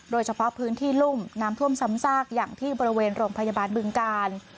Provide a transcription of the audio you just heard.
โดยเฉพาะพื้นที่รุ่มน้ำท่วมซ้ำซากอย่างที่บริเวณโรงพยาบาลบึงกาล